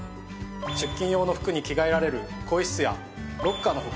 出勤用の服に着替えられる更衣室やロッカーの他